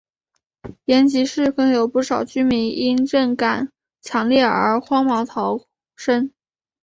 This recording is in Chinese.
延吉市更有不少居民因震感强烈而慌忙逃生。